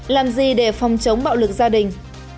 làm gì để phòng chống bạo lực gia đình